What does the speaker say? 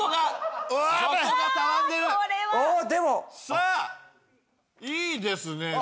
さあいいですねでも。